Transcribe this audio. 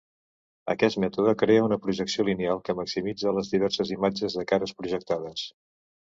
Aquest mètode crea una projecció lineal que maximitza les diverses imatges de cares projectades.